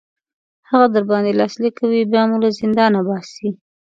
هغه در باندې لاسلیک کوي بیا مو له زندان باسي.